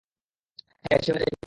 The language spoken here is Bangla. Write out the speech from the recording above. হ্যাঁ, সে হলে এটাই করত।